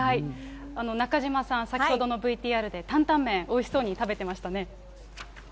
中島さん、先ほどのＶＴＲでタンタンメン、おいしそうに食べてましたね。